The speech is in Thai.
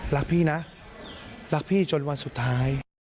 รักพี่นะรักพี่จนวันสุดท้าย